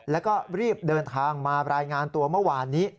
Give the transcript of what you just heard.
แล้วก็รีบเดินทางมารายงานตัวเมื่อวานนี้